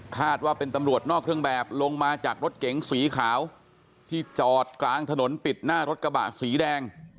ว่าเป็นตำรวจนอกเครื่องแบบลงมาจากรถเก๋งสีขาวที่จอดกลางถนนปิดหน้ารถกระบะสีแดง